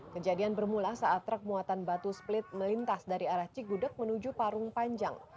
kejadian bermula saat truk muatan batu split melintas dari arah cigudeg menuju parung panjang